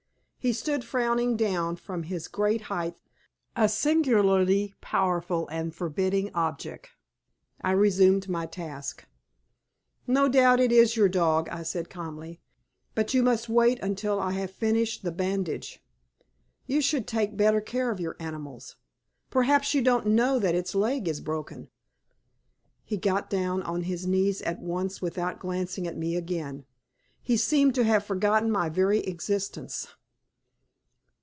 He stood frowning down from his great height, a singularly powerful and forbidding object. I resumed my task. "No doubt it is your dog!" I said, calmly. "But you must wait until I have finished the bandage. You should take better care of your animals! Perhaps you don't know that its leg is broken." He got down on his knees at once without glancing at me again. He seemed to have forgotten my very existence.